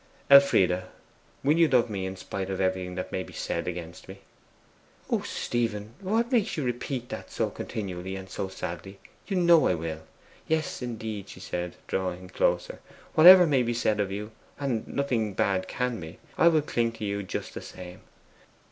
'Elfie, will you love me, in spite of everything that may be said against me?' 'O Stephen, what makes you repeat that so continually and so sadly? You know I will. Yes, indeed,' she said, drawing closer, 'whatever may be said of you and nothing bad can be I will cling to you just the same.